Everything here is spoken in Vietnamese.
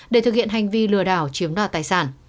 để thực hiện hành vi lừa đảo chiếm đoạt tài sản